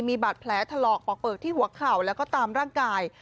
มีบาดแผลถลอกปอกเปลือกที่หัวเข่าแล้วก็ตามร่างกาย